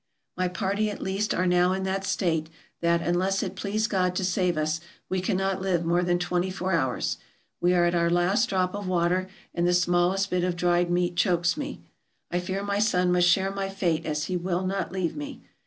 My party at least are now in that state that, unless it please God to save us, we cannot live more than twenty four hours. We are at our last drop of water, and the smallest bit of dried meat chokes me. I fear my son must MISCELLANEOUS 431 share my fate, as he will not leave me.